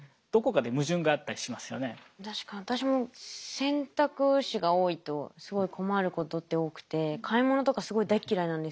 私も選択肢が多いとすごい困ることって多くて買い物とかすごい大嫌いなんですけど。